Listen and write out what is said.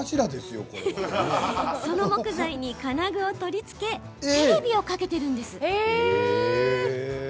その木材に金具を取り付けテレビを掛けています。